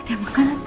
ada makanan tuh